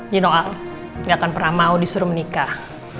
you know al nggak akan pernah mau disuruh menikah